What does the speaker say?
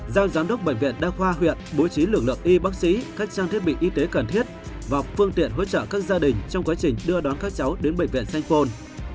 giao giám đốc bệnh viện đa khoa huyện bố trí lực lượng y bác sĩ các trang thiết bị y tế cần thiết và phương tiện hỗ trợ các gia đình trong quá trình đưa đón các cháu đến bệnh viện sanh phôn